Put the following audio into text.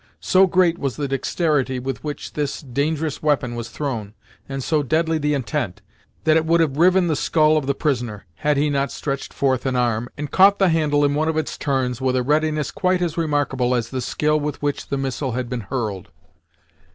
So great was the dexterity with which this dangerous weapon was thrown, and so deadly the intent, that it would have riven the scull of the prisoner, had he not stretched forth an arm, and caught the handle in one of its turns, with a readiness quite as remarkable as the skill with which the missile had been hurled.